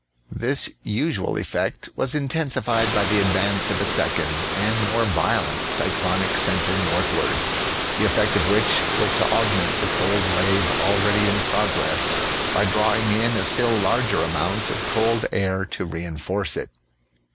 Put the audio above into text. This usual effect was intensified by the advance of a second, and more vio lent, cyclonic centre northward; the effect of which was to aug ment the cold wave already in progress by drawing in a still larger amount of cold air to re enforce it.